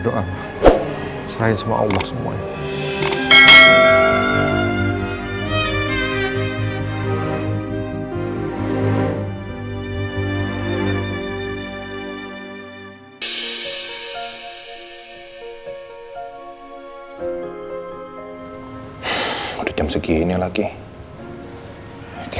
tapi kalau udah jualan